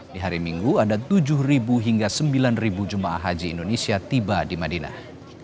di hari minggu ada tujuh hingga sembilan jemaah haji indonesia tiba di madinah